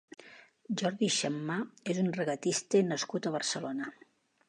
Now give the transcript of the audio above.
Jordi Xammar és un regatista nascut a Barcelona.